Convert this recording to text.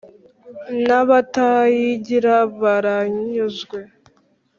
n' abatayigira baranyuzwe